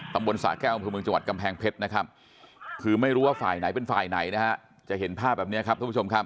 ตำบลสาหกแก้วอำเมืองจังหวัดกำแพงเพชรนะคือไม่รู้ว่าฝ่ายไหนเป็นฝ่ายไหนนะจะเห็นภาพแบบเนี่ยครับ